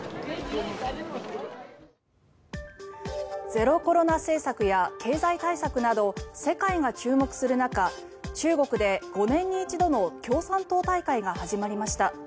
ゼロコロナ政策や経済対策など世界が注目する中中国で５年に一度の共産党大会が始まりました。